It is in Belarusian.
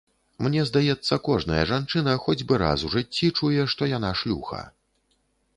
Мне здаецца, кожная жанчына хоць бы раз у жыцці чуе, што яна шлюха.